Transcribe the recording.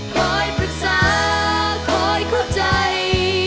คอยปรึกษาคอยเข้าใจ